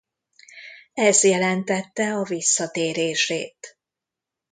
Ez jelentette a visszatérését.